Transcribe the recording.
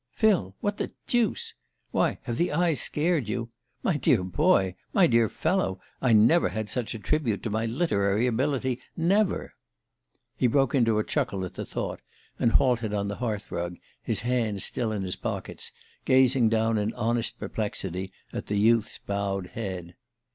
"Phil what the deuce? Why, have the eyes scared you? My dear boy my dear fellow I never had such a tribute to my literary ability, never!" He broke into a chuckle at the thought, and halted on the hearth rug, his hands still in his pockets, gazing down in honest perplexity at the youth's bowed head.